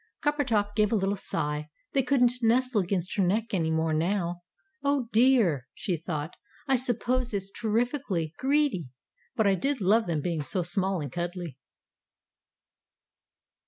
Coppertop gave a little sigh. They couldn't nestle against her neck any more, now. "Oh, dear!" she thought. "I suppose it's terrifikly greedy, but I did love them being so small and cuddly."